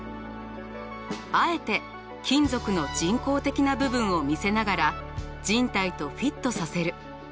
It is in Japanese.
あえて金属の人工的な部分を見せながら人体とフィットさせる。